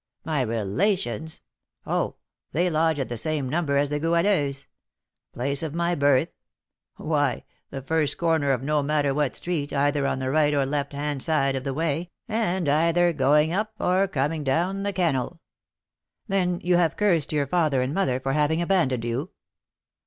"My relations? Oh! they lodge at the same number as the Goualeuse's. Place of my birth? Why, the first corner of no matter what street, either on the right or left hand side of the way, and either going up or coming down the kennel." "Then you have cursed your father and mother for having abandoned you?"